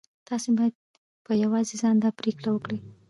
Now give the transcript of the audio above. تاسې بايد په يوازې ځان دا پرېکړه وکړئ.